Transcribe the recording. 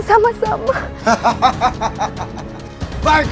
kau akan menang